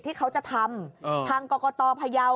ที่เขาจะทำ